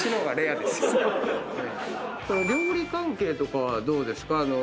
料理関係とかはどうですか？